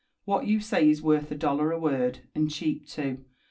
What you say is worth a dollar a word, and cheap too.